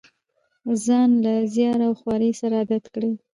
ځان له زیار او خوارۍ سره عادت کړي.